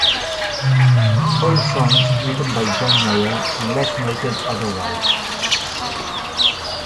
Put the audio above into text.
All songs written by John Mayer unless noted otherwise.